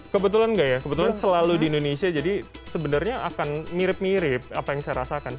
kebetulan nggak ya kebetulan selalu di indonesia jadi sebenarnya akan mirip mirip apa yang saya rasakan